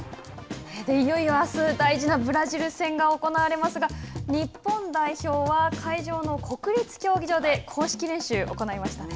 いよいよ、あす大事なブラジル戦が行われますが、日本代表は、会場の国立競技場で公式練習を行いましたね。